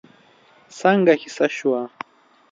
څنګه کېسه شوه؟